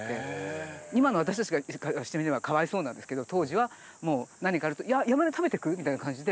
今の私たちからしてみればかわいそうなんですけど当時はもう何かあると「やあヤマネ食べてく？」みたいな感じで。